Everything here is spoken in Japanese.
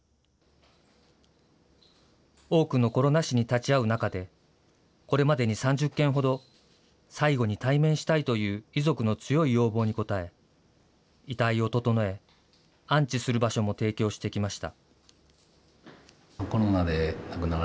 多くのコロナ死に立ち会う中で、これまでに３０件ほど、最期に対面したいという遺族の強い要望に応え、遺体を整え、安置する場所も提供してきました。